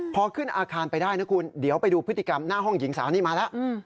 พอขึ้นอาคารไปได้นะคุณเดี๋ยวไปดูพฤติกรรมหน้าห้องหญิงสาวนี่มาแล้ว